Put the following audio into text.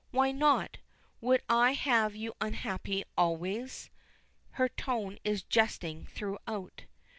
"Why not would I have you unhappy always?" Her tone is jesting throughout.